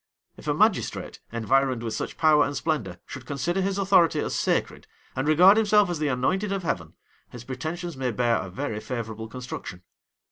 If a magistrate, environed with such power and splendor, should consider his authority as sacred, and regard himself as the anointed of Heaven, his pretensions may bear a very favorable construction.